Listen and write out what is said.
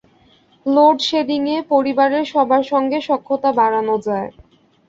লোডশেডিংয়ে পরিবারের সবার সঙ্গে সখ্যতা বাড়ানো যায়।